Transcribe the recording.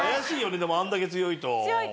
でもあれだけ強いと。